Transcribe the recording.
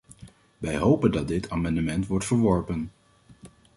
Wij hopen dat dit amendement wordt verworpen.